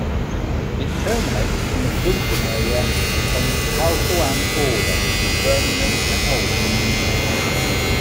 It terminates in the Quinton area on Halesowen's border with Birmingham and Oldbury.